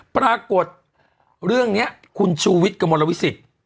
ปรากฏเรื่องนี้คุณชูวิทย์กระมวลวิสิต